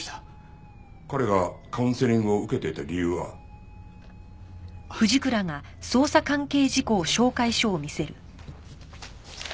彼がカウンセリングを受けていた理由は？あっ。